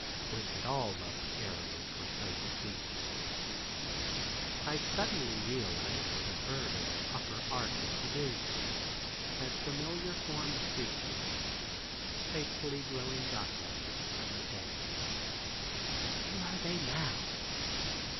Would that all Love's arrows were so sweet. I suddenly realize where the verdure of Upper Arc is produced, as familiar forms greet me, faithfully growing up as to the summer day. Where are they now?